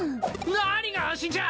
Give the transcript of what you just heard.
何が安心じゃ！